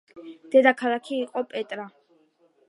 დედაქალაქი იყო პეტრა.